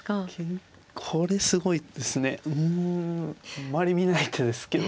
あんまり見ない手ですけど。